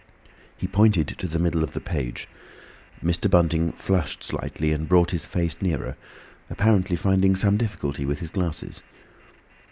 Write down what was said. He pointed to the middle of the page. Mr. Bunting flushed slightly and brought his face nearer, apparently finding some difficulty with his glasses.